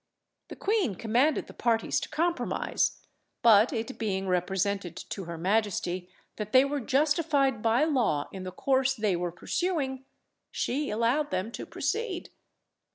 The queen commanded the parties to compromise; but it being represented to her majesty that they were justified by law in the course they were pursuing, she allowed them to proceed.